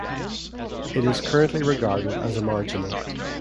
It is currently regarded as a marginal.